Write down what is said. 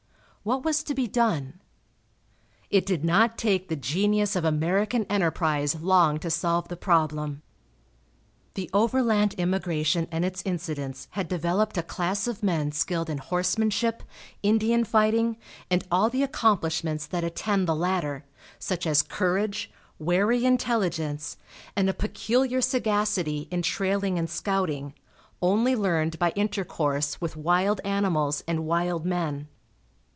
What was to be done? It did not take the genius of American enterprise long to solve the problem. The overland immigration and its incidents had developed a class of men skilled in horsemanship, Indian fighting, and all the accomplishments that attend the latter, such as courage, wary intelligence, and a peculiar sagacity in trailing and scouting, only learned by intercourse with wild animals and wild men.